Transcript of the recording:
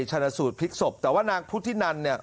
ชนะสูตรพลิกศพแต่ว่านางพุทธินันเนี่ย